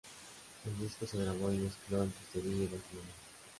El disco se grabó y mezcló entre Sevilla y Barcelona.